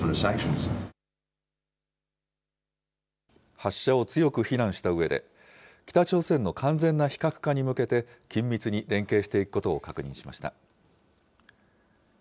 発射を強く非難したうえで、北朝鮮の完全な非核化に向けて、緊密に連携していくことを確認しました。